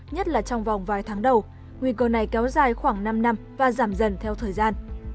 nhất là trong vòng vài tháng đầu nguy cơ này kéo dài khoảng năm năm và giảm dần theo thời gian